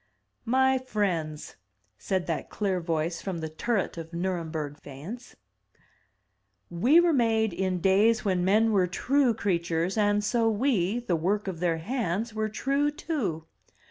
"My friends, said that clear voice from the turret of Nurem berg faience. "We were made in days when men were true crea tures, and so we, the work of their hands, were true too.